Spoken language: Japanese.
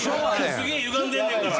すげえゆがんでんねん。